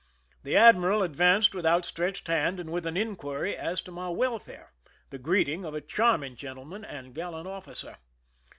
The admiral advanced with outstretched hand and with an inquiry as to my welfare, the greeting of a charming gentleman and gallant officer.